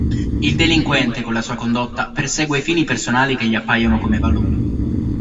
Il delinquente con la sua condotta persegue fini personali che gli appaiono come valori.